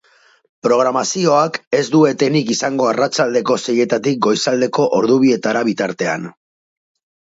Programazioak ez du etenik izango arratsaldeko seietatik goizaldeko ordu bietara bitartean.